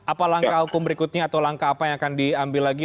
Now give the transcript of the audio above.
apa langkah hukum berikutnya atau langkah apa yang akan diambil lagi